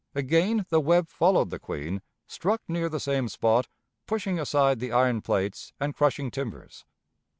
Again the Webb followed the Queen, struck near the same spot, pushing aside the iron plates and crushing timbers.